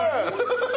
ハハハハ。